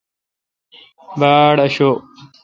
باڑاشوب۔